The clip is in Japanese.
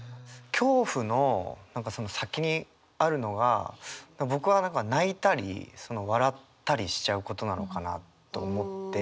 恐怖の先にあるのが僕は泣いたり笑ったりしちゃうことなのかなと思って。